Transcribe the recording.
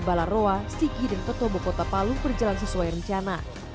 pembersihan di barangnya adalah roa sigi dan petobo kota palu berjalan sesuai rencana